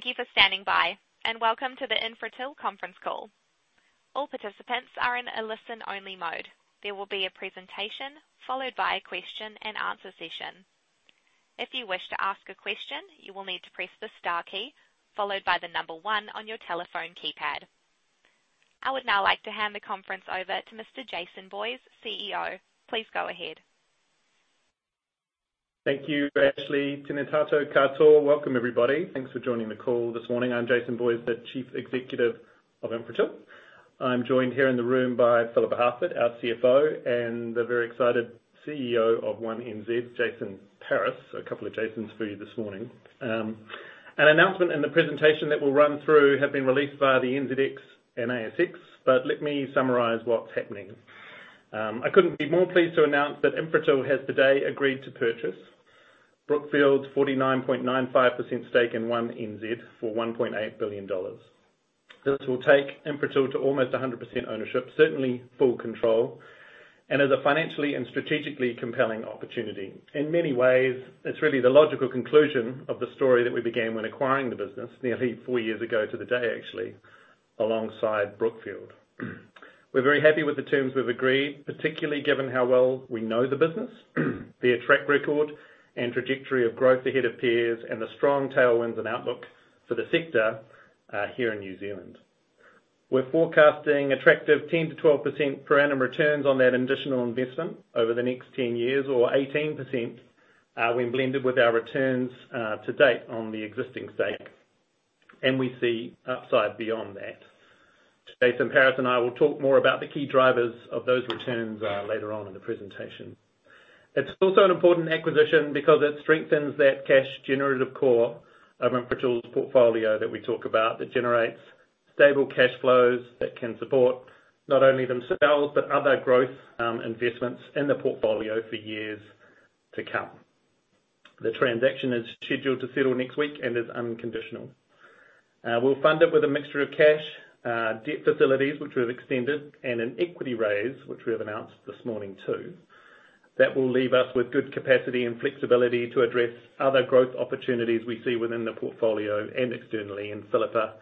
Thank you for standing by, and welcome to the Infratil conference call. All participants are in a listen-only mode. There will be a presentation, followed by a question-and-answer session. If you wish to ask a question, you will need to press the star key, followed by the number one on your telephone keypad. I would now like to hand the conference over to Mr. Jason Boyes, CEO. Please go ahead. Thank you, Ashley. Tēnā tātou katoa. Welcome, everybody. Thanks for joining the call this morning. I'm Jason Boyes, the Chief Executive of Infratil. I'm joined here in the room by Phillippa Harford, our CFO, and the very excited CEO of One NZ, Jason Paris. A couple of Jasons for you this morning. An announcement in the presentation that we'll run through have been released by the NZX and ASX, but let me summarize what's happening. I couldn't be more pleased to announce that Infratil has today agreed to purchase Brookfield's 49.95% stake in One NZ for 1.8 billion dollars. This will take Infratil to almost 100% ownership, certainly full control, and is a financially and strategically compelling opportunity. In many ways, it's really the logical conclusion of the story that we began when acquiring the business nearly four years ago to the day, actually, alongside Brookfield. We're very happy with the terms we've agreed, particularly given how well we know the business, their track record and trajectory of growth ahead of peers, and the strong tailwinds and outlook for the sector here in New Zealand. We're forecasting attractive 10%-12% per annum returns on that additional investment over the next 10 years, or 18% when blended with our returns to date on the existing stake, and we see upside beyond that. Jason Paris and I will talk more about the key drivers of those returns later on in the presentation. It's also an important acquisition because it strengthens that cash generative core of Infratil's portfolio that we talk about, that generates stable cash flows that can support not only themselves, but other growth investments in the portfolio for years to come. The transaction is scheduled to settle next week and is unconditional. We'll fund it with a mixture of cash, debt facilities, which we have extended, and an equity raise, which we have announced this morning, too. That will leave us with good capacity and flexibility to address other growth opportunities we see within the portfolio and externally, and Phillippa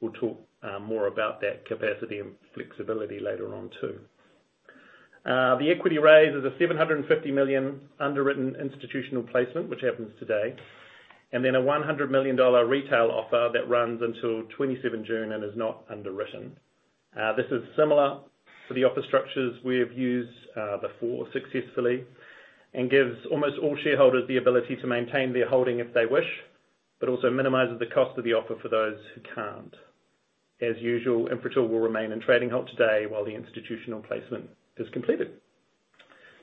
will talk more about that capacity and flexibility later on, too. The equity raise is a 750 million underwritten institutional placement, which happens today, and then a 100 million dollar retail offer that runs until 27 June and is not underwritten. This is similar to the offer structures we have used before successfully, and gives almost all shareholders the ability to maintain their holding if they wish, but also minimizes the cost of the offer for those who can't. As usual, Infratil will remain in trading halt today while the institutional placement is completed.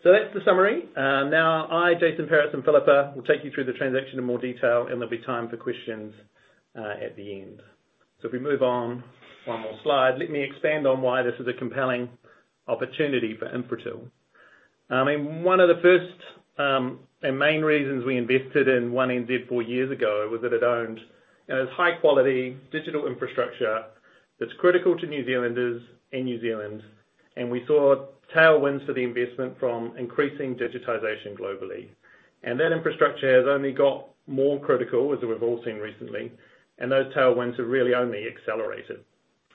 That's the summary. Now, I, Jason Paris, and Phillippa will take you through the transaction in more detail, and there'll be time for questions at the end. If we move on one more slide, let me expand on why this is a compelling opportunity for Infratil. I mean, one of the first, and main reasons we invested in One NZ four years ago was that it owned, you know, this high-quality digital infrastructure that's critical to New Zealanders and New Zealand, and we saw tailwinds for the investment from increasing digitization globally. That infrastructure has only got more critical, as we've all seen recently, and those tailwinds have really only accelerated.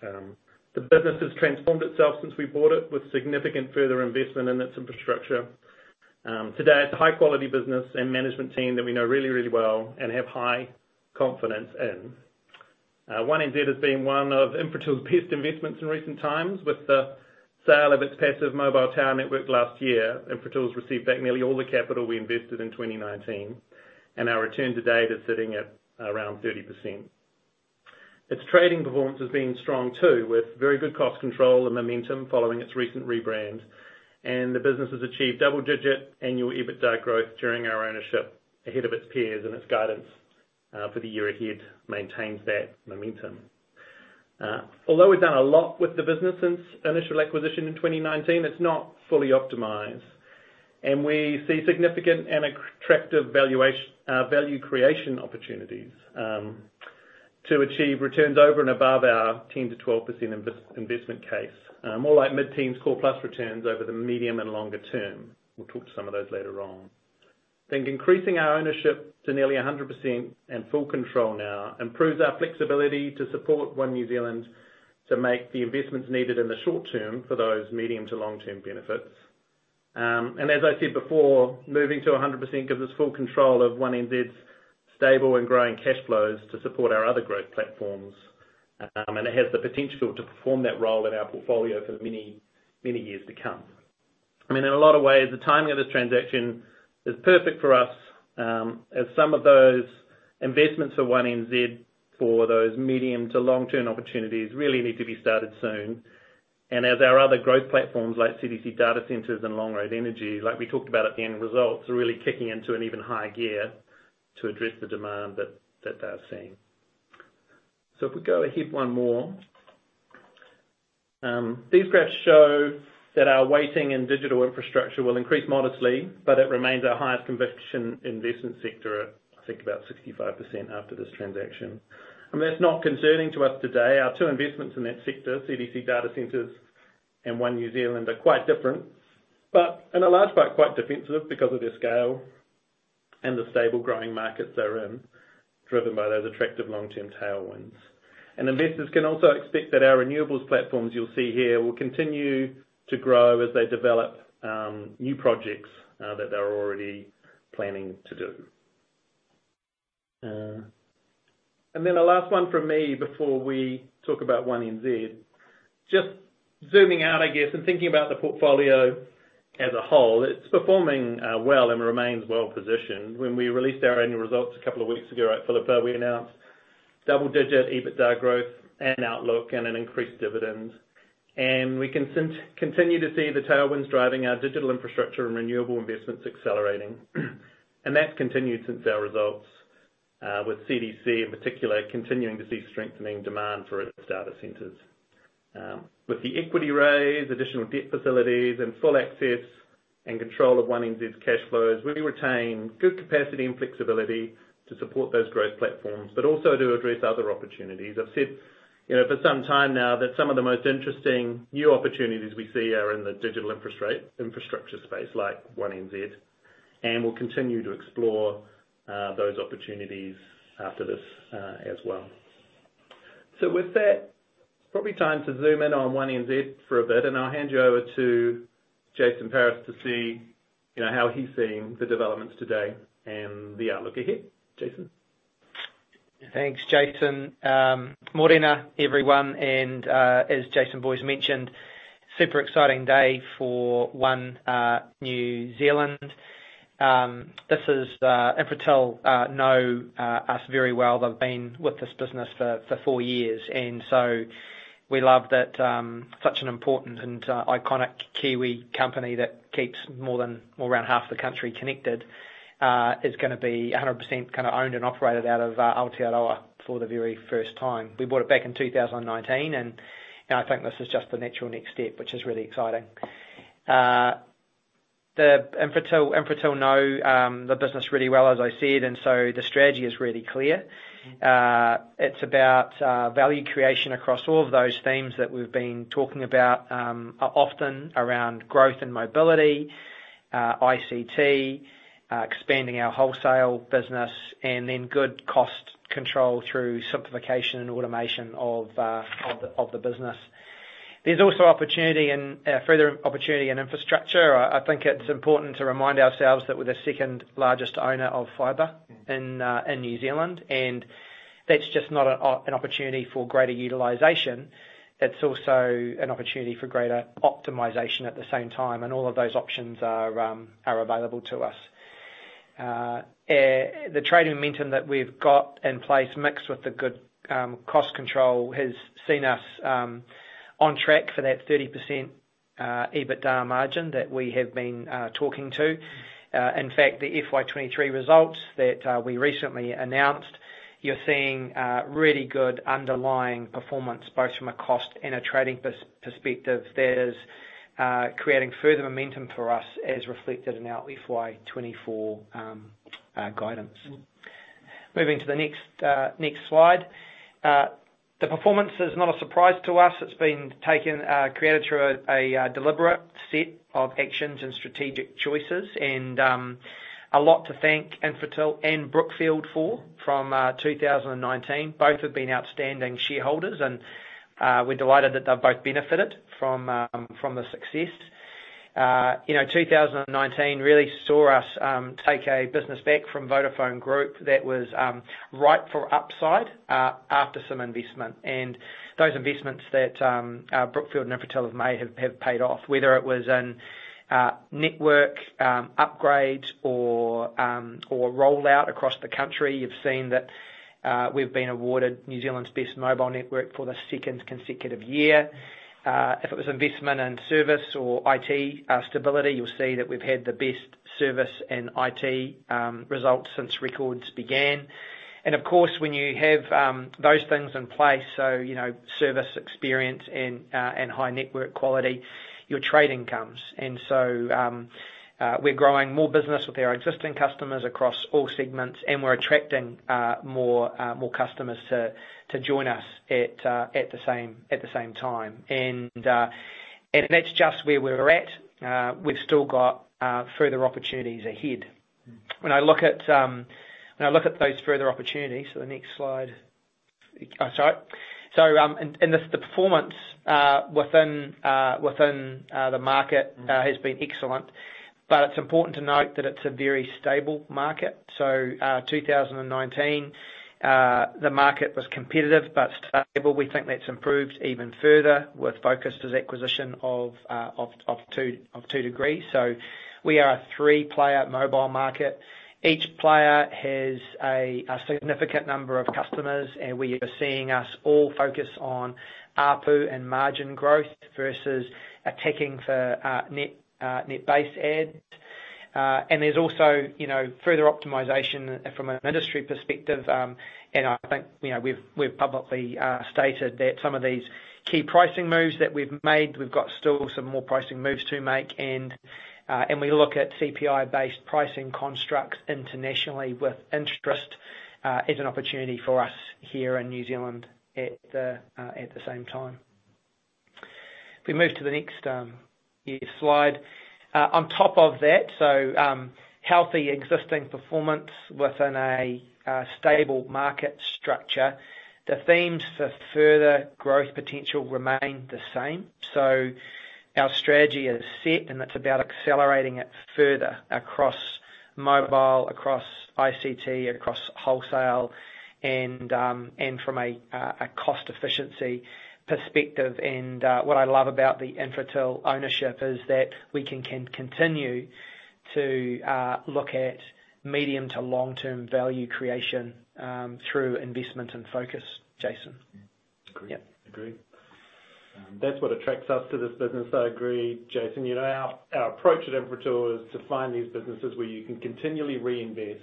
The business has transformed itself since we bought it, with significant further investment in its infrastructure. Today, it's a high-quality business and management team that we know really, really well and have high confidence in. One NZ has been one of Infratil's best investments in recent times. With the sale of its passive mobile tower network last year, Infratil's received back nearly all the capital we invested in 2019, and our return to date is sitting at around 30%. Its trading performance has been strong, too, with very good cost control and momentum following its recent rebrand, and the business has achieved double-digit annual EBITDA growth during our ownership ahead of its peers, and its guidance for the year ahead maintains that momentum. Although we've done a lot with the business since initial acquisition in 2019, it's not fully optimized, and we see significant and attractive value creation opportunities to achieve returns over and above our 10%-12% investment case. More like mid-teens core plus returns over the medium and longer term. We'll talk to some of those later on. I think increasing our ownership to nearly 100% and full control now improves our flexibility to support One New Zealand to make the investments needed in the short term for those medium to long-term benefits. As I said before, moving to 100% gives us full control of One NZ's stable and growing cash flows to support our other growth platforms, it has the potential to perform that role in our portfolio for many, many years to come. I mean, in a lot of ways, the timing of this transaction is perfect for us, as some of those investments for One NZ, for those medium to long-term opportunities, really need to be started soon. As our other growth platforms, like CDC Data Centres and Longroad Energy, like we talked about at the end of results, are really kicking into an even higher gear to address the demand that they're seeing. If we go ahead one more. These graphs show that our weighting in digital infrastructure will increase modestly, but it remains our highest conviction investment sector at, I think, about 65% after this transaction. I mean, that's not concerning to us today. Our two investments in that sector, CDC Data Centres and One New Zealand, are in a large part, quite defensive because of their scale and the stable growing markets they're in, driven by those attractive long-term tailwinds. Investors can also expect that our renewables platforms you'll see here, will continue to grow as they develop, new projects, that they're already planning to do. Then the last one from me before we talk about One NZ, just zooming out, I guess, and thinking about the portfolio as a whole, it's performing, well and remains well positioned. When we released our annual results a couple of weeks ago, right, Phillippa, we announced double digit EBITDA growth and outlook and an increased dividend. We can continue to see the tailwinds driving our digital infrastructure and renewable investments accelerating. That's continued since our results, with CDC in particular, continuing to see strengthening demand for its data centers. With the equity raise, additional debt facilities, and full access and control of One NZ's cash flows, we retain good capacity and flexibility to support those growth platforms, but also to address other opportunities. I've said, you know, for some time now that some of the most interesting new opportunities we see are in the digital infrastructure space, like One NZ, and we'll continue to explore those opportunities after this as well. With that, probably time to zoom in on One NZ for a bit, and I'll hand you over to Jason Paris to see, you know, how he's seeing the developments today and the outlook ahead. Jason? Thanks, Jason. Mōrena, everyone. As Jason Boyes mentioned, super exciting day for One New Zealand. This is Infratil know us very well. They've been with this business for 4 years. We love that such an important and iconic Kiwi company that keeps more than, well, around half the country connected is gonna be 100% kinda owned and operated out of Aotearoa for the very first time. We bought it back in 2019. You know, I think this is just the natural next step, which is really exciting. Infratil know the business really well, as I said, the strategy is really clear. It's about value creation across all of those themes that we've been talking about, often around growth and mobility, ICT, expanding our wholesale business, and then good cost control through simplification and automation of the business. There's also further opportunity in infrastructure. I think it's important to remind ourselves that we're the second largest owner of fiber in New Zealand. That's just not an opportunity for greater utilization, it's also an opportunity for greater optimization at the same time. All of those options are available to us. The trading momentum that we've got in place, mixed with the good cost control, has seen us on track for that 30% EBITDA margin that we have been talking to. In fact, the FY23 results that we recently announced, you're seeing really good underlying performance, both from a cost and a trading perspective, that is creating further momentum for us as reflected in our FY24 guidance. Moving to the next slide. The performance is not a surprise to us. It's been taken created through a deliberate set of actions and strategic choices, and a lot to thank Infratil and Brookfield for, from 2019. Both have been outstanding shareholders, and we're delighted that they've both benefited from the success. You know, 2019 really saw us take a business back from Vodafone Group that was ripe for upside after some investment. Those investments that Brookfield and Infratil have made have paid off, whether it was in network upgrades or rollout across the country. You've seen that we've been awarded New Zealand's best mobile network for the second consecutive year. If it was investment in service or IT stability, you'll see that we've had the best service and IT results since records began. Of course, when you have those things in place, so, you know, service experience and high network quality, your trading comes. We're growing more business with our existing customers across all segments, and we're attracting more customers to join us at the same time. That's just where we're at. We've still got further opportunities ahead. When I look at, when I look at those further opportunities. The next slide. Oh, sorry. The performance within the market has been excellent, but it's important to note that it's a very stable market. 2019 the market was competitive but stable. We think that's improved even further with Vocus's acquisition of 2degrees'. We are a three-player mobile market. Each player has a significant number of customers, and we are seeing us all focus on ARPU and margin growth versus attacking for net base add. There's also, you know, further optimization from an industry perspective. I think, you know, we've publicly stated that some of these key pricing moves that we've made, we've got still some more pricing moves to make, and we look at CPI-based pricing constructs internationally with interest. Is an opportunity for us here in New Zealand at the same time. If we move to the next slide. On top of that, so, healthy existing performance within a stable market structure, the themes for further growth potential remain the same. Our strategy is set, and it's about accelerating it further across mobile, across ICT, across wholesale, and from a cost efficiency perspective. What I love about the Infratil ownership is that we can continue to look at medium to long-term value creation through investment and focus, Jason. Agree. Yep. Agree. That's what attracts us to this business. I agree, Jason. You know, our approach at Infratil is to find these businesses where you can continually reinvest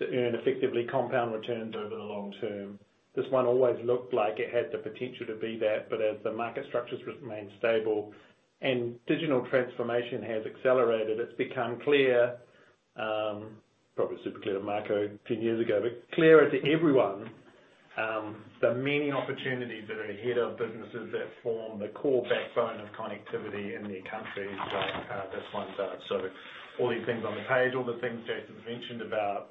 to earn effectively compound returns over the long term. This one always looked like it had the potential to be that, but as the market structures remain stable and digital transformation has accelerated, it's become clear, probably super clear to Marko Bogoievski a few years ago, but clearer to everyone, the many opportunities that are ahead of businesses that form the core backbone of connectivity in their countries, like, this one does. All these things on the page, all the things Jason's mentioned about,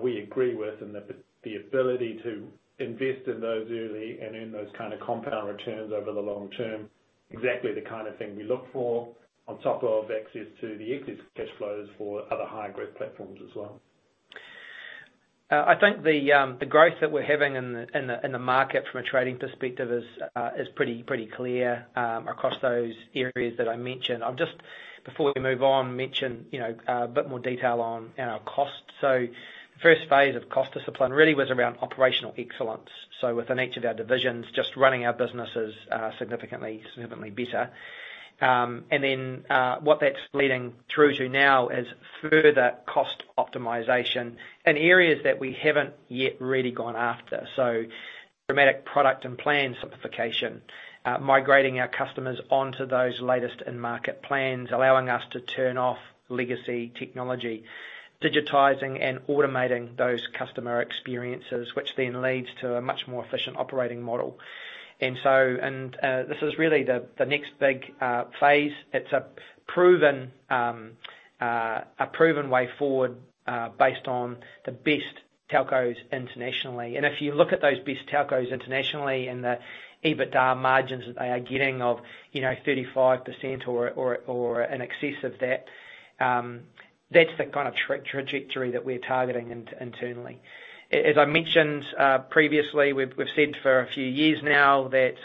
we agree with, and the ability to invest in those early and earn those kind of compound returns over the long term, exactly the kind of thing we look for on top of access to the excess cash flows for other high-growth platforms as well. I think the growth that we're having in the market from a trading perspective is pretty clear across those areas that I mentioned. I'll just, before we move on, mention, you know, a bit more detail on our costs. The first phase of cost discipline really was around operational excellence, so within each of our divisions, just running our businesses significantly better. Then what that's leading through to now is further cost optimization in areas that we haven't yet really gone after. Dramatic product and plan simplification, migrating our customers onto those latest in-market plans, allowing us to turn off legacy technology, digitizing and automating those customer experiences, which then leads to a much more efficient operating model. This is really the next big phase. It's a proven way forward, based on the best telcos internationally. If you look at those best telcos internationally and the EBITDA margins that they are getting of, you know, 35% or in excess of that's the kind of trajectory that we're targeting internally. As I mentioned previously, we've said for a few years now that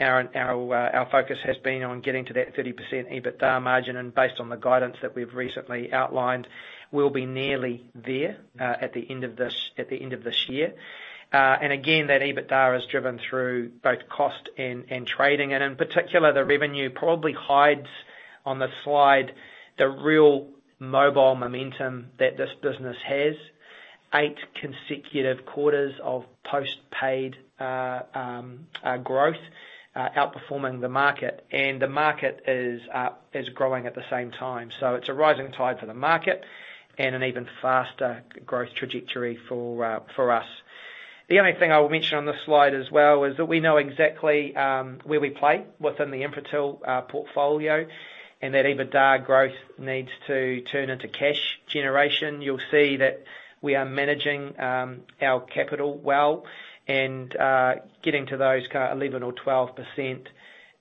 our focus has been on getting to that 30% EBITDA margin, and based on the guidance that we've recently outlined, we'll be nearly there at the end of this year. Again, that EBITDA is driven through both cost and trading, and in particular, the revenue probably hides on the slide, the real mobile momentum that this business has. Eight consecutive quarters of post-paid growth outperforming the market, and the market is growing at the same time. It's a rising tide for the market and an even faster growth trajectory for us. The only thing I will mention on this slide as well, is that we know exactly where we play within the Infratil portfolio, and that EBITDA growth needs to turn into cash generation. You'll see that we are managing our capital well and getting to those 11% or 12%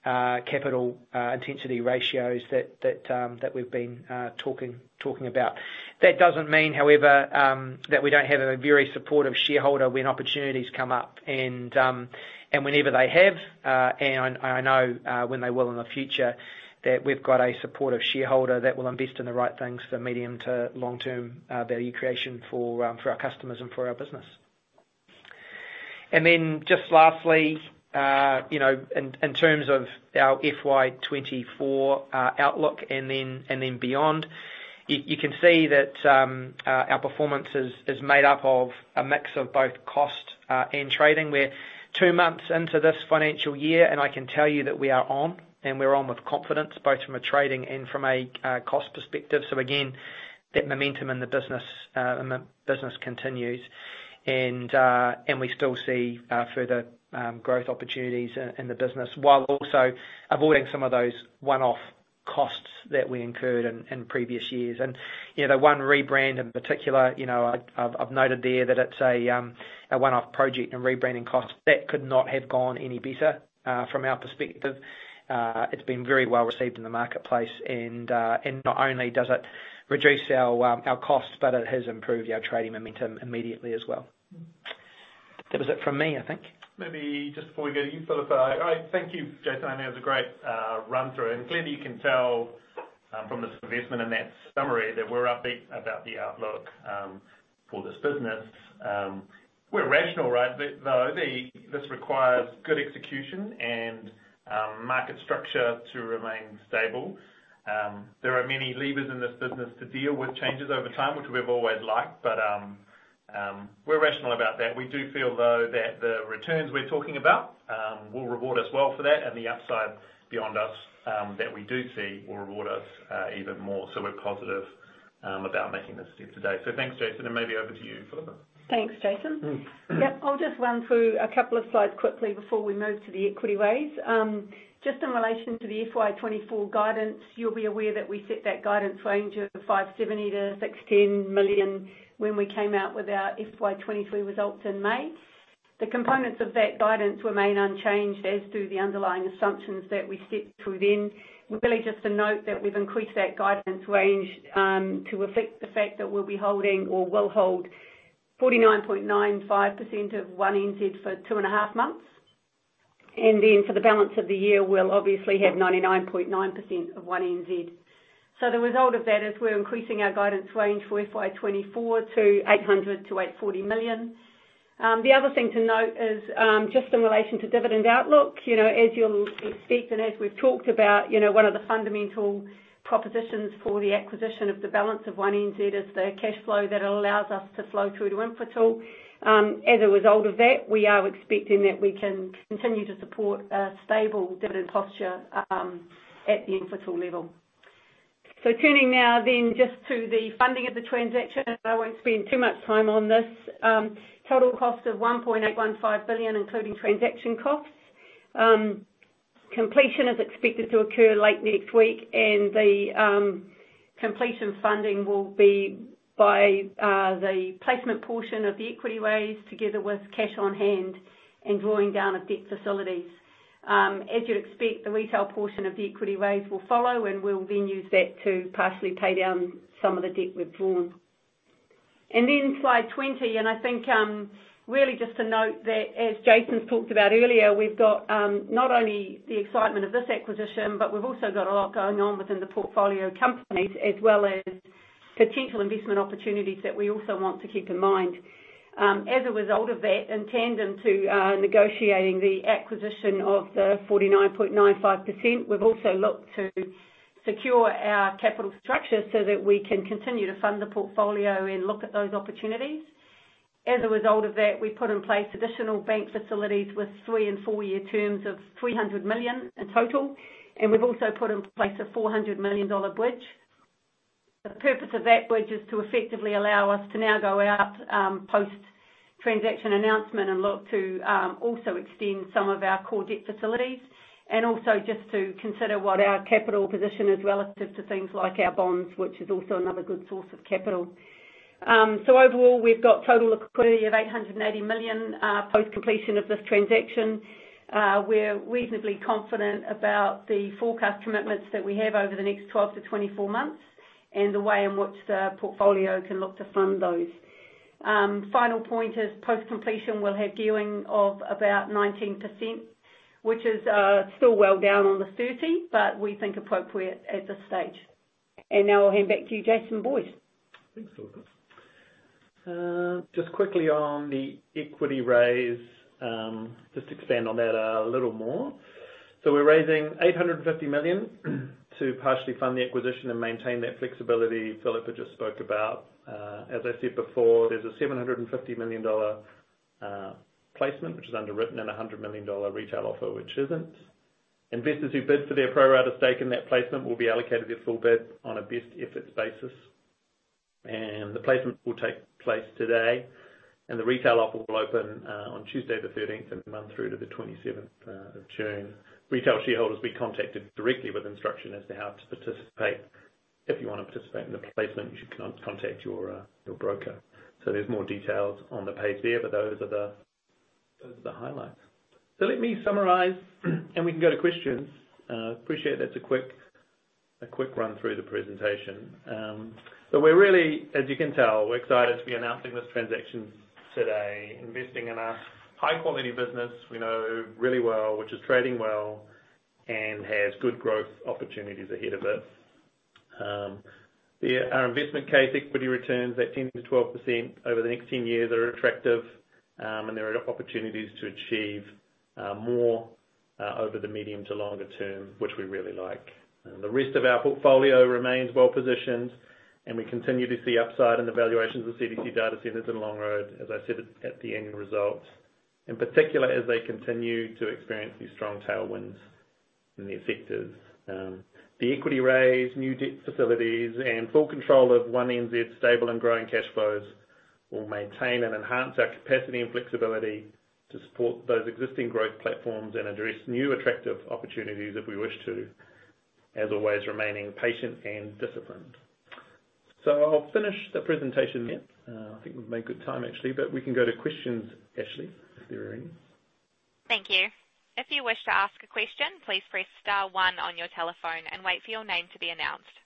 capital intensity ratios that we've been talking about. That doesn't mean, however, that we don't have a very supportive shareholder when opportunities come up and whenever they have, and I know when they will in the future, that we've got a supportive shareholder that will invest in the right things for medium to long-term value creation for our customers and for our business. Just lastly, you know, in terms of our FY24 outlook and then beyond, you can see that our performance is made up of a mix of both cost and trading. We're 2 months into this financial year, I can tell you that we are on, and we're on with confidence, both from a trading and from a cost perspective. Again, that momentum in the business continues, and we still see further growth opportunities in the business, while also avoiding some of those one-off costs that we incurred in previous years. You know, the One rebrand in particular, you know, I've noted there that it's a one-off project and rebranding cost. That could not have gone any better from our perspective. It's been very well received in the marketplace and not only does it reduce our costs, but it has improved our trading momentum immediately as well. That was it from me, I think. Just before we go to you, Phil, I thank you, Jason. That was a great run-through, clearly you can tell from this investment and that summary, that we're upbeat about the outlook for this business. We're rational, right? This requires good execution and market structure to remain stable. There are many levers in this business to deal with changes over time, which we've always liked, we're rational about that. We do feel, though, that the returns we're talking about will reward us well for that, the upside beyond us that we do see will reward us even more. We're positive about making this step today. Thanks, Jason, maybe over to you, Phillippa. Thanks, Jason. Yep, I'll just run through a couple of slides quickly before we move to the equity raise. Just in relation to the FY24 guidance, you'll be aware that we set that guidance range of 570 million-610 million when we came out with our FY23 results in May. The components of that guidance remain unchanged, as do the underlying assumptions that we set to then. Really just to note that we've increased that guidance range, to reflect the fact that we'll be holding or will hold 49.95% of One NZ for two and a half months. For the balance of the year, we'll obviously have 99.9% of One NZ. The result of that is we're increasing our guidance range for FY24 to 800 million-840 million. The other thing to note is just in relation to dividend outlook, as you'll expect and as we've talked about, one of the fundamental propositions for the acquisition of the balance of One NZ is the cash flow that allows us to flow through to Infratil. As a result of that, we are expecting that we can continue to support a stable dividend posture at the Infratil level. Turning now then, just to the funding of the transaction, and I won't spend too much time on this. Total cost of 1.815 billion, including transaction costs. Completion is expected to occur late next week, and the completion funding will be by the placement portion of the equity raise, together with cash on hand and drawing down of debt facilities. As you'd expect, the retail portion of the equity raise will follow, and we'll then use that to partially pay down some of the debt we've drawn. Slide 20, and I think, really just to note that as Jason's talked about earlier, we've got not only the excitement of this acquisition, but we've also got a lot going on within the portfolio of companies, as well as potential investment opportunities that we also want to keep in mind. As a result of that, in tandem to negotiating the acquisition of the 49.95%, we've also looked to secure our capital structure so that we can continue to fund the portfolio and look at those opportunities. As a result of that, we've put in place additional bank facilities with three and four-year terms of 300 million in total, and we've also put in place a 400 million dollar bridge. The purpose of that bridge is to effectively allow us to now go out, post-transaction announcement and look to also extend some of our core debt facilities, and also just to consider what our capital position is relative to things like our bonds, which is also another good source of capital. Overall, we've got total liquidity of 880 million post-completion of this transaction. We're reasonably confident about the forecast commitments that we have over the next 12 to 24 months, and the way in which the portfolio can look to fund those. Final point is, post-completion, we'll have gearing of about 19%, which is still well down on the 30%, but we think appropriate at this stage. Now I'll hand back to you, Jason Boyes. Thanks, Phillippa. Just quickly on the equity raise, just to expand on that a little more. We're raising 850 million to partially fund the acquisition and maintain that flexibility Phillippa just spoke about. As I said before, there's a 750 million dollar placement, which is underwritten, and a 100 million dollar retail offer, which isn't. Investors who bid for their pro-rata stake in that placement will be allocated their full bid on a best efforts basis. The placement will take place today, and the retail offer will open on Tuesday the 13th and run through to the 27th of June. Retail shareholders will be contacted directly with instruction as to how to participate. If you want to participate in the placement, you should contact your broker. There's more details on the page there, but those are the highlights. Let me summarize, and we can go to questions. Appreciate that's a quick run through the presentation. As you can tell, we're excited to be announcing this transaction today. Investing in a high-quality business we know really well, which is trading well and has good growth opportunities ahead of it. Our investment case, equity returns at 10%-12% over the next 10 years are attractive, and there are opportunities to achieve more over the medium to longer term, which we really like. The rest of our portfolio remains well positioned, and we continue to see upside in the valuations of CDC Data Centers and Longroad, as I said at the annual results, in particular, as they continue to experience these strong tailwinds in their sectors. The equity raise, new debt facilities, and full control of One NZ's stable and growing cash flows will maintain and enhance our capacity and flexibility to support those existing growth platforms and address new, attractive opportunities if we wish to, as always, remaining patient and disciplined. I'll finish the presentation here. I think we've made good time, actually, but we can go to questions, Ashley, if there are any. Thank you. If you wish to ask a question, please press star one on your telephone and wait for your name to be announced.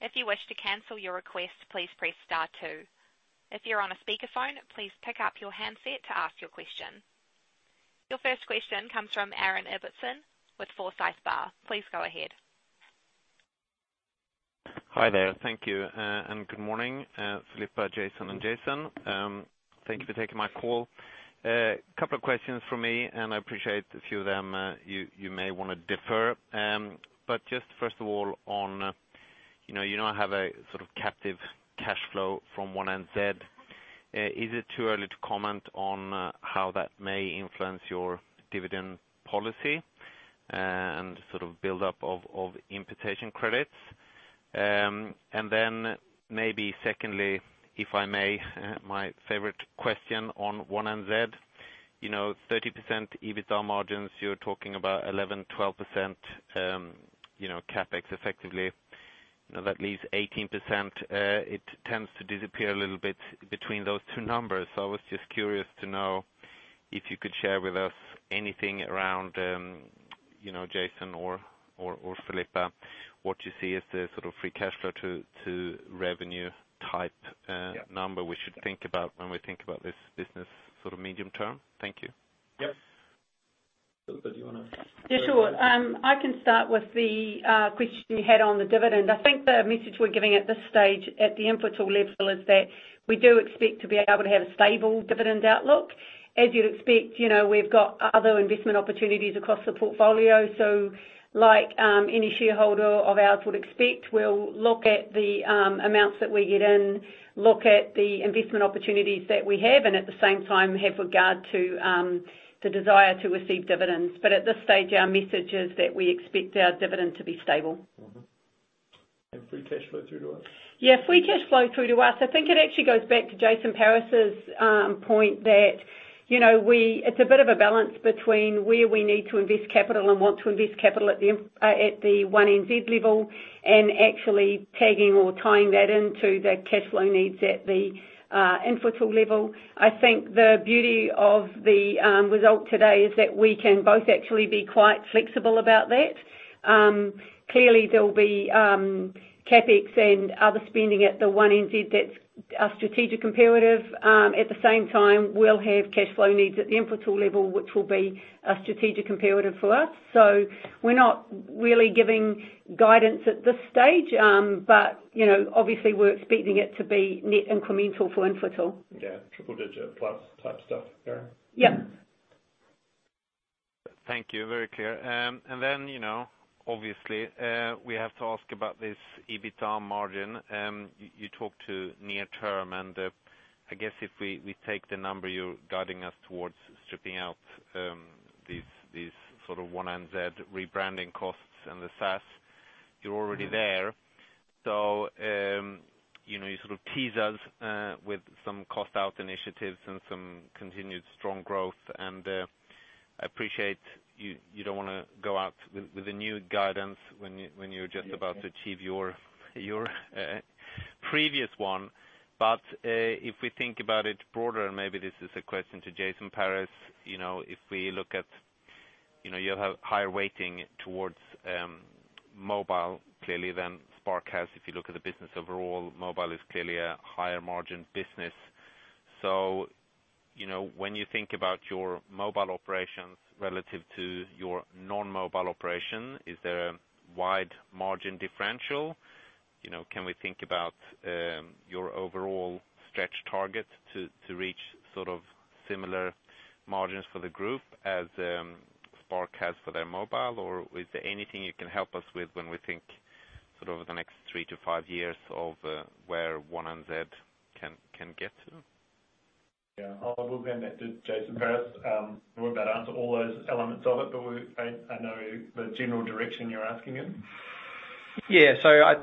If you wish to cancel your request, please press star two. If you're on a speakerphone, please pick up your handset to ask your question. Your first question comes from Aaron Ibbotson with Forsyth Barr. Please go ahead. Hi there. Thank you, good morning, Phillippa, Jason, and Jason. Thank you for taking my call. Couple of questions from me. I appreciate a few of them you may want to defer. Just first of all, on, you know, you now have a sort of captive cash flow from One NZ. Is it too early to comment on how that may influence your dividend policy and sort of build up of imputation credits? Maybe secondly, if I may, my favorite question on One NZ, you know, 30% EBITDA margins, you're talking about 11%-12%, you know, CapEx effectively. That leaves 18%. It tends to disappear a little bit between those two numbers. I was just curious to know if you could share with us anything around, you know, Jason or Phillippa, what you see as the sort of free cash flow to revenue type? Yeah... number we should think about when we think about this business sort of medium term? Thank you. Yep. Phillippa, do you wanna? Yeah, sure. I can start with the question you had on the dividend. I think the message we're giving at this stage, at the level, is that we do expect to be able to have a stable dividend outlook. As you'd expect, you know, we've got other investment opportunities across the portfolio. Like, any shareholder of ours would expect, we'll look at the amounts that we get in, look at the investment opportunities that we have, and at the same time have regard to the desire to receive dividends. At this stage, our message is that we expect our dividend to be stable. Mm-hmm. Free cash flow through to us? Yeah, free cash flow through to us, I think it actually goes back to Jason Paris's point that, you know, it's a bit of a balance between where we need to invest capital and want to invest capital at the One NZ level, and actually tagging or tying that into the cash flow needs at the Infratil level. I think the beauty of the result today is that we can both actually be quite flexible about that. Clearly, there will be CapEx and other spending at the One NZ that's a strategic imperative. At the same time, we'll have cash flow needs at the infratil level, which will be a strategic imperative for us. We're not really giving guidance at this stage, but, you know, obviously, we're expecting it to be net incremental for infratil. Yeah, triple digit plus type stuff, Aaron? Yeah. Thank you. Very clear. You know, obviously, we have to ask about this EBITDA margin. You talked to near term, I guess if we take the number you're guiding us towards stripping out, these sort of One NZ rebranding costs and the SaaS, you're already there. You know, you sort of tease us with some cost out initiatives and some continued strong growth, I appreciate you don't wanna go out with a new guidance when you're just about- Yeah... to achieve your previous one. If we think about it broader, and maybe this is a question to Jason Paris, you know, if we look at, you know, you have higher weighting towards mobile, clearly, than Spark has. If you look at the business overall, mobile is clearly a higher margin business. You know, when you think about your mobile operations relative to your non-mobile operation, is there a wide margin differential? You know, can we think about your overall stretch target to reach sort of similar margins for the group as Spark has for their mobile? Is there anything you can help us with when we think sort of over the next 3 to 5 years of where One NZ can get to? Yeah, I'll hand that to Jason Paris. We're about to answer all those elements of it, but I know the general direction you're asking in. Yeah.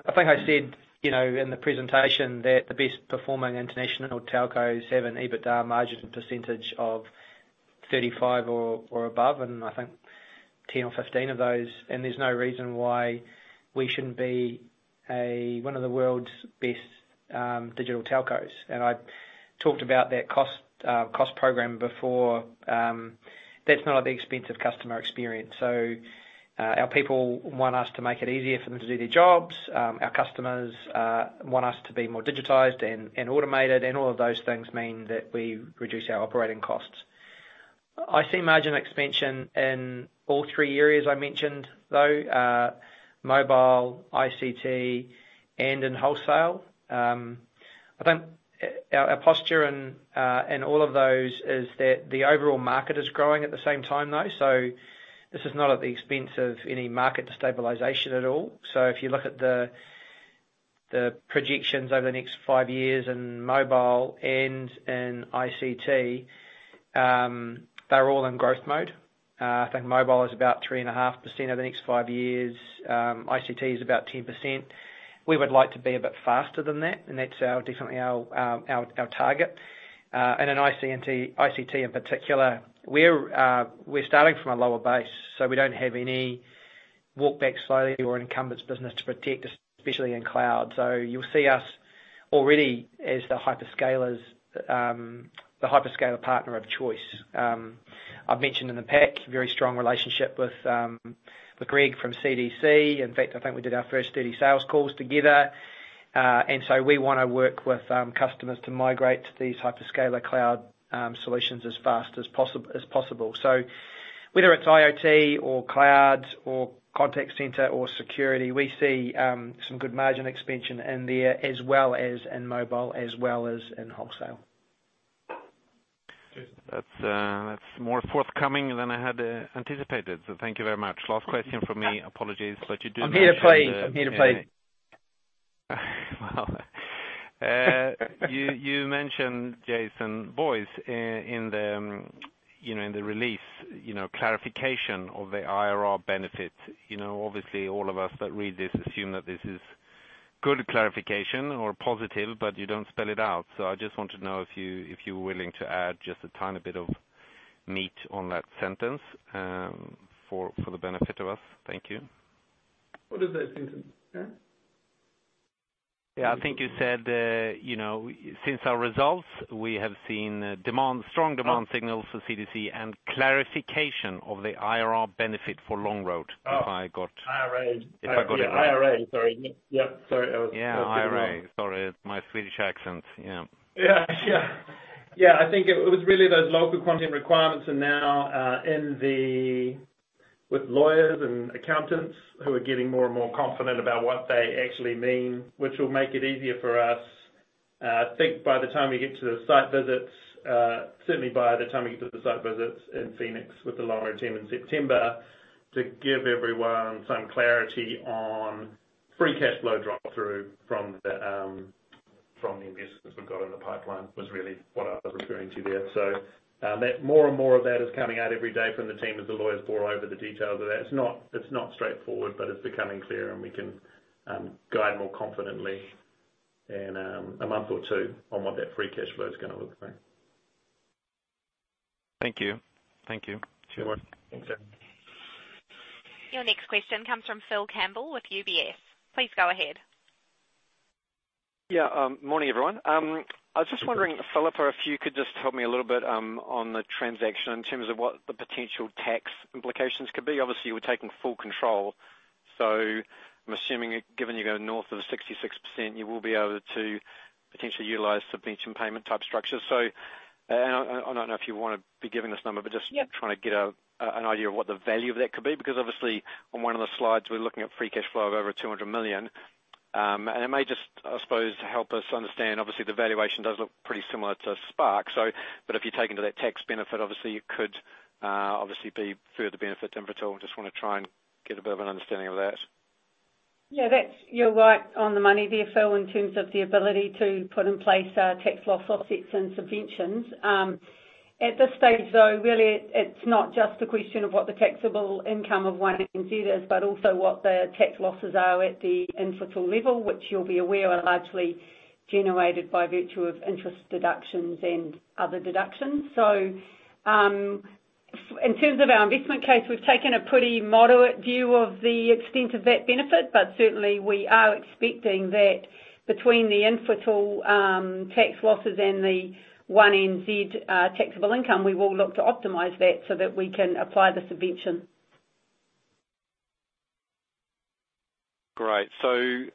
I think I said, you know, in the presentation that the best performing international telcos have an EBITDA margin percentage of 35% or above, and I think 10 or 15 of those, and there's no reason why we shouldn't be one of the world's best digital telcos. I talked about that cost program before. That's not at the expense of customer experience, so our people want us to make it easier for them to do their jobs. Our customers want us to be more digitized and automated, and all of those things mean that we reduce our operating costs. I see margin expansion in all three areas I mentioned, though, mobile, ICT, and in wholesale. I think our posture in all of those is that the overall market is growing at the same time, though. This is not at the expense of any market stabilization at all. If you look at the projections over the next 5 years in mobile and in ICT, they're all in growth mode. I think mobile is about 3.5% over the next 5 years. ICT is about 10%. We would like to be a bit faster than that, and that's our definitely our target. And in ICT in particular, we're starting from a lower base, so we don't have any walk back slowly or incumbents business to protect, especially in cloud. You'll see us already as the hyperscalers, the hyperscaler partner of choice. I've mentioned in the pack, very strong relationship with Greg Boorer from CDC. In fact, I think we did our first 30 sales calls together. We want to work with customers to migrate to these hyperscaler cloud solutions as fast as possible. Whether it's IoT or cloud or contact center or security, we see some good margin expansion in there, as well as in mobile, as well as in wholesale. That's more forthcoming than I had anticipated. Thank you very much. Last question from me. Apologies, you do- I'm here to play. I'm here to play. Wow. You mentioned Jason Boyes in the, you know, in the release, you know, clarification of the IRR benefit. You know, obviously, all of us that read this assume that this is good clarification or positive, but you don't spell it out. I just want to know if you, if you were willing to add just a tiny bit of meat on that sentence, for the benefit of us. Thank you. What is that sentence, yeah? I think you said, you know, since our results, we have seen strong demand signals for CDC and clarification of the IRR benefit for Longroad. Oh. If I got- IRA. If I got it wrong. IRA, sorry. Yep, sorry. Yeah, IRA. Sorry, my Swedish accent, yeah. Yeah, yeah. Yeah, I think it was really those local content requirements are now with lawyers and accountants who are getting more and more confident about what they actually mean, which will make it easier for us. I think by the time we get to the site visits, certainly by the time we get to the site visits in Phoenix with the Longroad team in September, to give everyone some clarity on free cash flow drop-through from the investments we've got in the pipeline, was really what I was referring to there. That more and more of that is coming out every day from the team as the lawyers pour over the details of that. It's not straightforward, but it's becoming clear, and we can guide more confidently in a month or two on what that free cash flow is gonna look like. Thank you. Thank you. Sure. Thanks. Your next question comes from Phil Campbell with UBS. Please go ahead. Yeah, morning, everyone. I was just wondering, Phillippa, if you could just help me a little bit on the transaction in terms of what the potential tax implications could be. Obviously, you were taking full control, so I'm assuming, given you go north of 66%, you will be able to potentially utilize some payment type structures. I don't know if you wanna be giving this number, but just. Yeah... trying to get an idea of what the value of that could be, because obviously, on one of the slides, we're looking at free cash flow of over 200 million. It may just, I suppose, help us understand. Obviously, the valuation does look pretty similar to Spark. If you take into that tax benefit, obviously you could be further benefit to Infratil. Just wanna try and get a bit of an understanding of that. Yeah, that's you're right on the money there, Phil, in terms of the ability to put in place tax loss offsets and subventions. At this stage, though, really it's not just a question of what the taxable income of One NZ is, but also what the tax losses are at the Infratil level, which you'll be aware are largely generated by virtue of interest deductions and other deductions. In terms of our investment case, we've taken a pretty moderate view of the extent of that benefit, but certainly we are expecting that between the Infratil tax losses and the One NZ taxable income, we will look to optimize that, so that we can apply the subvention. Great. Is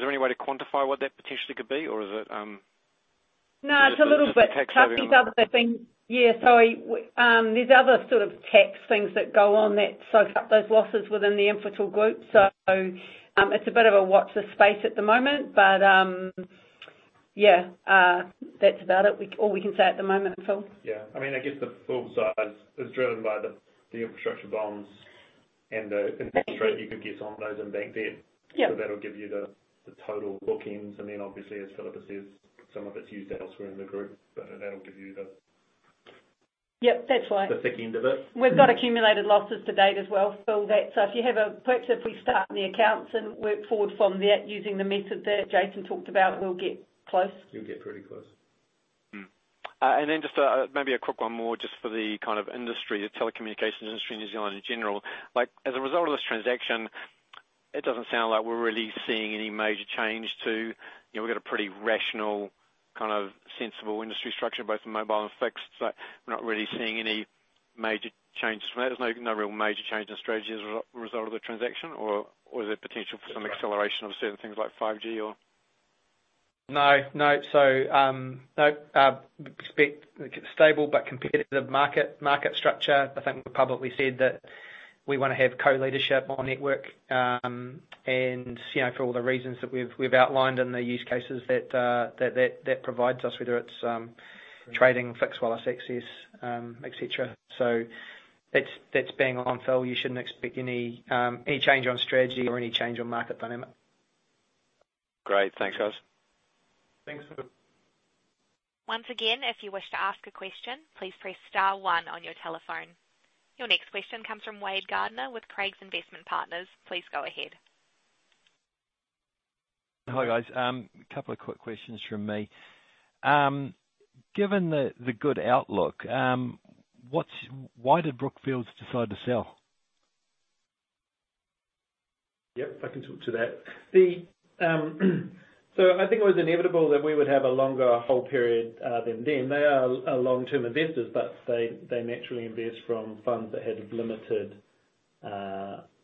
there any way to quantify what that potentially could be, or is it? No, it's a little bit tough. These other things... Yeah, sorry. There's other sort of tax things that go on that soak up those losses within the Infratil group. It's a bit of a watch the space at the moment, yeah, that's about it. All we can say at the moment, Phil. Yeah. I mean, I guess the full size is driven by the infrastructure bonds and the interest rate you could get on those and bank debt. Yeah. That'll give you the total bookings, and then obviously, as Phillippa says, some of it's used elsewhere in the group, but that'll give you. Yep, that's right.... the thick end of it. We've got accumulated losses to date as well, Phil. Perhaps if we start in the accounts and work forward from there using the method that Jason talked about, we'll get close. You'll get pretty close. just maybe a quick one more just for the kind of industry, the telecommunications industry in New Zealand in general. Like, as a result of this transaction, it doesn't sound like we're really seeing any major change to. You know, we've got a pretty rational, kind of sensible industry structure, both in mobile and fixed. We're not really seeing any major changes from that. There's no real major change in strategy as a result of the transaction, or is there potential for some acceleration of certain things like 5G or? No, no. No, expect stable but competitive market structure. I think we publicly said that we wanna have co-leadership on network. You know, for all the reasons that we've outlined in the use cases that provides us, whether it's trading fixed wireless access, et cetera. That's bang on, Phil. You shouldn't expect any change on strategy or any change on market dynamic. Great. Thanks, guys. Thanks, Phil. Once again, if you wish to ask a question, please press star one on your telephone. Your next question comes from Wade Gardiner with Craigs Investment Partners. Please go ahead. Hi, guys. A couple of quick questions from me. Given the good outlook, why did Brookfield decide to sell? Yep, I can talk to that. I think it was inevitable that we would have a longer hold period than them. They are a long-term investors, they naturally invest from funds that had limited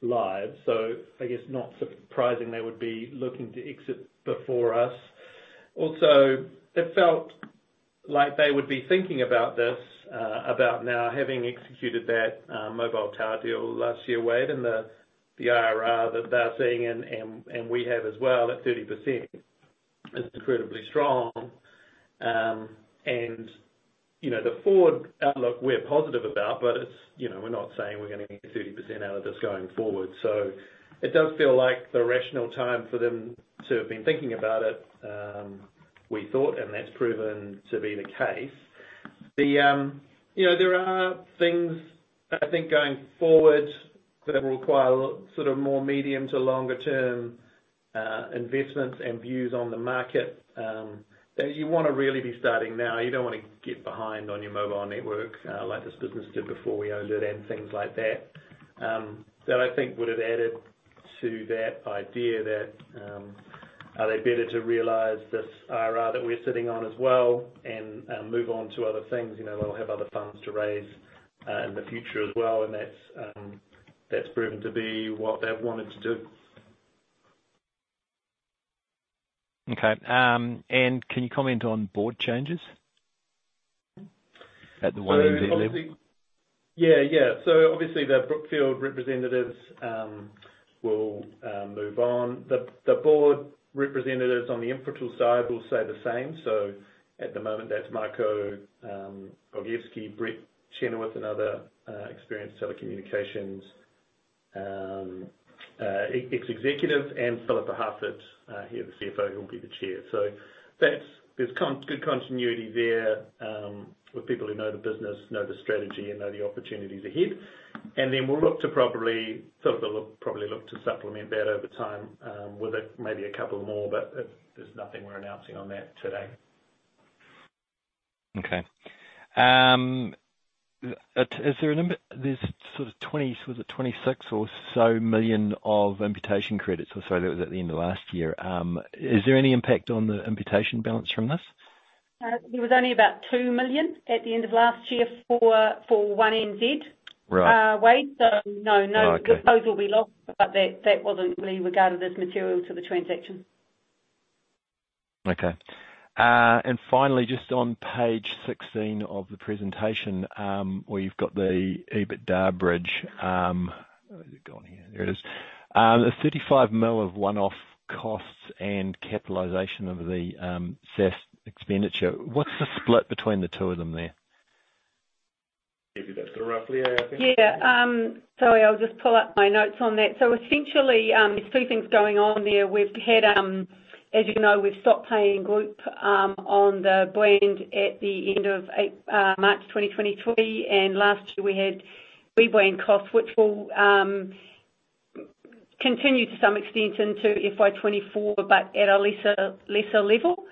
lives. I guess not surprising they would be looking to exit before us. Also, it felt like they would be thinking about this about now, having executed that mobile tower deal last year, Wade Gardiner, and the IRR that they're seeing and we have as well, at 30%, is incredibly strong. You know, the forward outlook, we're positive about, it's, you know, we're not saying we're gonna get 30% out of this going forward. It does feel like the rational time for them to have been thinking about it, we thought, and that's proven to be the case. You know, there are things, I think, going forward that will require sort of more medium to longer term investments and views on the market that you want to really be starting now. You don't want to get behind on your mobile network like this business did before we owned it and things like that. That I think would have added to that idea that are they better to realize this IRR that we're sitting on as well and move on to other things, you know, they'll have other funds to raise in the future as well, and that's that's proven to be what they've wanted to do. Okay, can you comment on board changes at. Obviously, the Brookfield representatives will move on. The board representatives on the Infratil side will stay the same. At the moment, that's Marko Bogoievski, Brett Chenoweth, another experienced telecommunications ex-executive, and Phillippa Harford here, the CFO, who will be the chair. There's good continuity there with people who know the business, know the strategy, and know the opportunities ahead. We'll look to probably, sort of, supplement that over time with a maybe a couple more, but there's nothing we're announcing on that today. Okay. There's sort of 20 million, was it 26 million or so of imputation credits? Sorry, that was at the end of last year. Is there any impact on the imputation balance from this? There was only about 2 million at the end of last year for One NZ. Right. Wade. No, no. Okay. Those will be lost, but that wasn't really regarded as material to the transaction. Okay. Finally, just on page 16 of the presentation, where you've got the EBITDA bridge... Where has it gone here? There it is. The 35 mil of one-off costs and capitalization of the SaaS expenditure. What's the split between the two of them there? Maybe that's for Roughly, I think. Sorry, I'll just pull up my notes on that. Essentially, there's two things going on there. We've had, as you know, we've stopped paying group on the brand at the end of March 2023, last year we had rebrand costs, which will continue to some extent into FY24, but at a lesser level.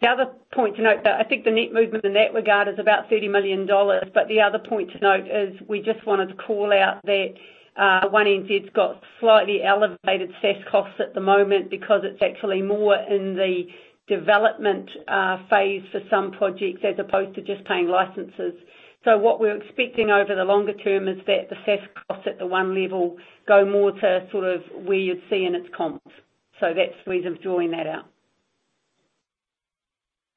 The other point to note, though, I think the net movement in that regard is about 30 million dollars. The other point to note is we just wanted to call out that One NZ's got slightly elevated SaaS costs at the moment because it's actually more in the development phase for some projects, as opposed to just paying licenses. What we're expecting over the longer term is that the SaaS cost at the One level go more to sort of where you'd see in its comps. That's the reason for drawing that out.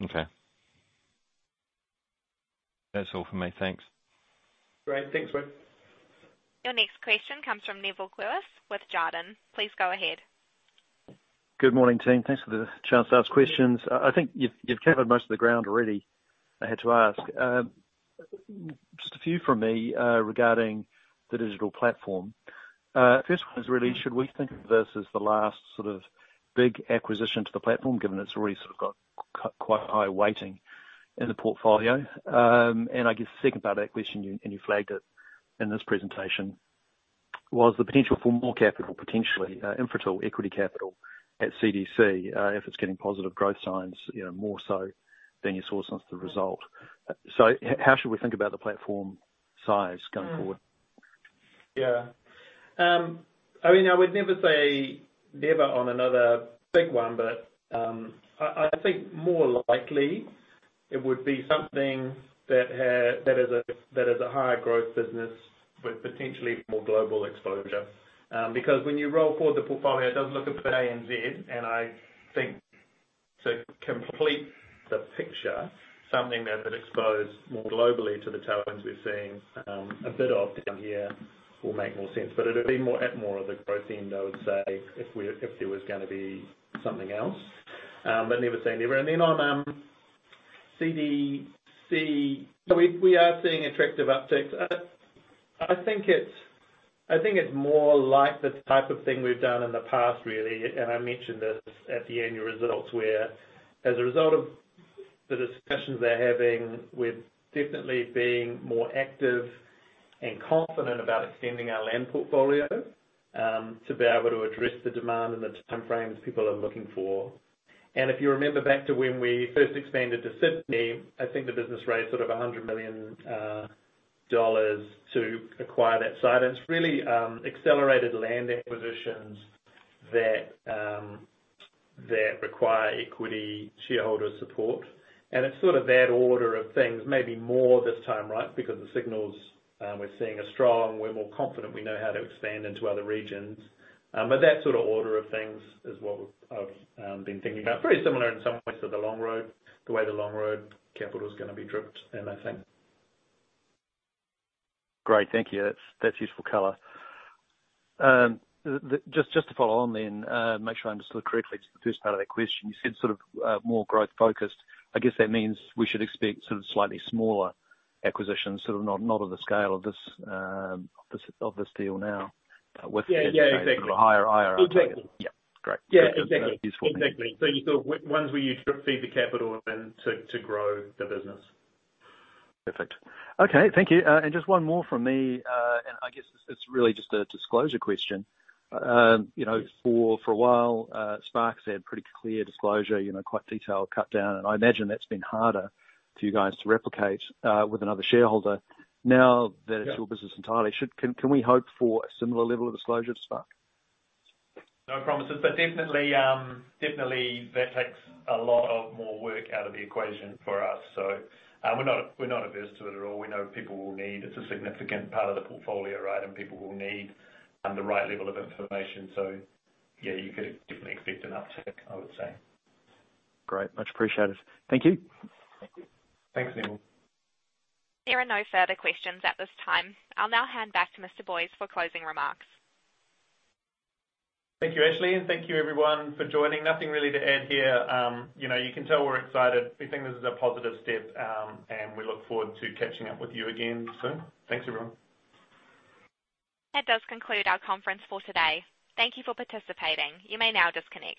Okay. That's all for me. Thanks. Great. Thanks, Wade. Your next question comes from Neville Lewis with Jarden. Please go ahead. Good morning, team. Thanks for the chance to ask questions. I think you've covered most of the ground already, I had to ask. Just a few from me regarding the digital platform. First one is really: Should we think of this as the last sort of big acquisition to the platform, given it's already sort of got quite a high weighting in the portfolio? I guess the second part of that question, and you flagged it in this presentation, was the potential for more capital, potentially, Infratil equity capital at CDC if it's getting positive growth signs more so than you saw since the result. How should we think about the platform size going forward? Yeah. I mean, I would never say never on another big one, but I think more likely it would be something that is a higher growth business with potentially more global exposure. Because when you roll forward, the portfolio does look at the ANZ, and I think to complete the picture, something that would expose more globally to the tailwinds we're seeing, a bit of down here will make more sense, but it'll be more at more of the growth end, I would say, if there was gonna be something else. Never say never. On CDC, we are seeing attractive upticks. I think it's more like the type of thing we've done in the past, really, and I mentioned this at the annual results, where as a result of the discussions they're having, we're definitely being more active and confident about extending our land portfolio to be able to address the demand and the timeframes people are looking for. If you remember back to when we first expanded to Sydney, I think the business raised sort of $100 million to acquire that site. It's really, accelerated land acquisitions that require equity shareholder support. It's sort of that order of things, maybe more this time, right? Because the signals we're seeing are strong. We're more confident we know how to expand into other regions. That sort of order of things is what I've been thinking about. Pretty similar in some ways to the Longroad, the way the Longroad capital is going to be dripped, and I think. Great. Thank you. That's useful color. Just to follow on then, make sure I understood correctly the first part of that question. You said sort of more growth focused. I guess that means we should expect sort of slightly smaller acquisitions, sort of not on the scale of this deal now with- Yeah. Yeah, exactly. a higher IRR. Exactly. Yeah, great. Yeah, exactly. Useful. Exactly. You sort of ones where you drip feed the capital and then to grow the business. Perfect. Okay, thank you. Just one more from me, and I guess this is really just a disclosure question. You know, for a while, Spark's had pretty clear disclosure, you know, quite detailed, cut down, and I imagine that's been harder for you guys to replicate with another shareholder. Now that. Yeah... it's your business entirely, can we hope for a similar level of disclosure to Spark? No promises, definitely that takes a lot of more work out of the equation for us. We're not averse to it at all. We know people will need... It's a significant part of the portfolio, right? People will need the right level of information. Yeah, you could definitely expect an uptick, I would say. Great, much appreciated. Thank you. Thank you. Thanks, Neville. There are no further questions at this time. I'll now hand back to Mr. Boyes for closing remarks. Thank you, Ashley, and thank you, everyone, for joining. Nothing really to add here. You know, you can tell we're excited. We think this is a positive step. We look forward to catching up with you again soon. Thanks, everyone. That does conclude our conference for today. Thank you for participating. You may now disconnect.